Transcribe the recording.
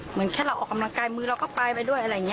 เหมือนแค่เราออกกำลังกายมือเราก็ไปไปด้วยอะไรอย่างนี้